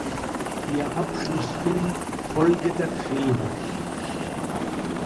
Ihr Abschlussfilm "Folge der Feder!